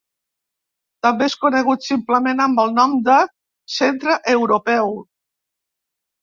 També és conegut simplement amb el nom de Centre Europeu.